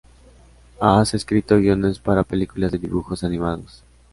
Has escrito guiones para películas de dibujos animados.